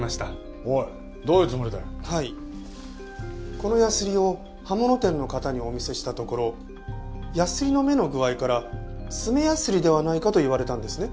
このヤスリを刃物店の方にお見せしたところヤスリの目の具合から爪ヤスリではないかと言われたんですね。